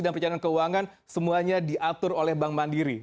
dan perencanaan keuangan semuanya diatur oleh bank mandiri